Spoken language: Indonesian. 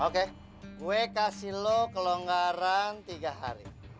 oke gue kasih lo kelonggaran tiga hari